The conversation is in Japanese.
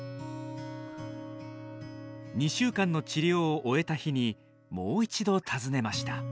２週間の治療を終えた日にもう一度訪ねました。